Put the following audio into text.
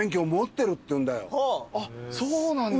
あっそうなんだ。